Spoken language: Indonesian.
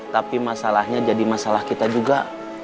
tapi masalahnya jadi masalah kita juga